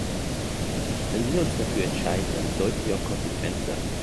Wenn wir uns dafür entscheiden, dann sollten wir auch konsequent sein.